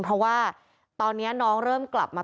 เพราะว่าตอนนี้น้องเริ่มกลับมา